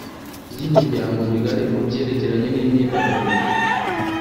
ry imirongo migari mu byerekeranye n imyigire